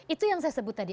itu yang saya sebut tadi